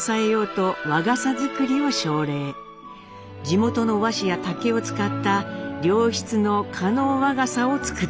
地元の和紙や竹を使った良質の加納和傘を作っていたのです。